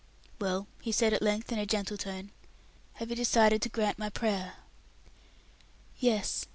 "Well," he said at length, in a gentle tone, "have you decided to grant my prayer?" "Yes.